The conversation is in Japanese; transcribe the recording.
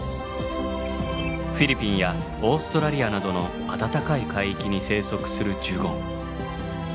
フィリピンやオーストラリアなどの暖かい海域に生息するジュゴン。